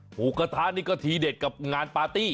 หมูกระทะนี่ก็ทีเด็ดกับงานปาร์ตี้